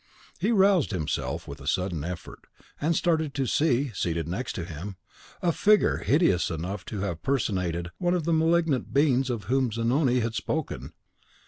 He roused himself with a sudden effort, and started to see, seated next him, a figure hideous enough to have personated one of the malignant beings of whom Zanoni had spoken.